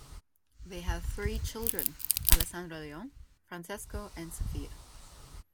They have three children, Alessandro Leon, Francesco and Sophia.